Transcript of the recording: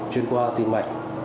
chuyên qua tìm mạch